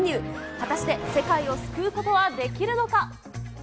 果たして世界を救うことはできるのか。